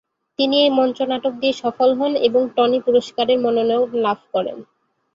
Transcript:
তিনি এই মঞ্চনাটক দিয়ে সফল হন এবং টনি পুরস্কারের মনোনয়ন লাভ করেন।